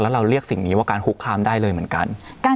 แล้วเราเรียกสิ่งนี้ว่าการคุกคามได้เลยเหมือนกัน